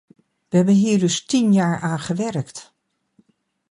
We hebben hier dus tien jaar aan gewerkt.